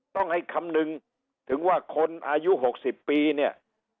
ต้องให้คำนึงถึงว่าคนอายุ๖๐ปีเนี่ย